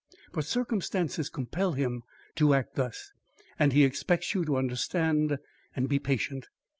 But circumstances compel him to act thus, and he expects you to understand and be patient.